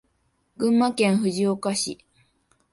群馬県藤岡市